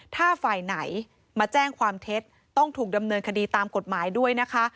ถ้าฝ่ายไหนมาแจ้งความเท็จต้องถูกดำเนินคดีตามกฎหมายด้วยนะคะ